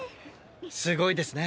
すごいですね